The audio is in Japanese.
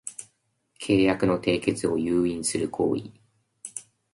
契約の締結を誘引する行為